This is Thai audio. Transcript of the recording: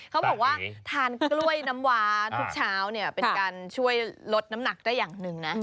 เขาบอกว่าทานกล้วยน้ำวาทุกเช้าเนี่ยเป็นการช่วยลดน้ำหนักได้อย่างหนึ่งนะ